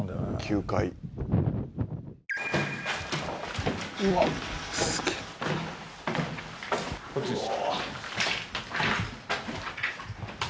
「９階」「うわっすげえ」こっちです。